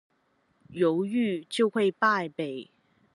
猶豫，就會敗北